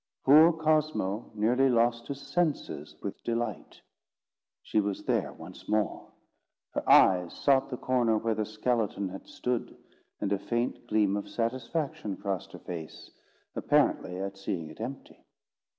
Poor Cosmo nearly lost his senses with delight. She was there once more! Her eyes sought the corner where the skeleton had stood, and a faint gleam of satisfaction crossed her face, apparently at seeing it empty.